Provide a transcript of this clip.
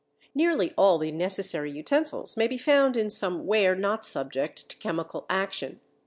Nearly all the necessary utensils may be found in some ware not subject to chemical action.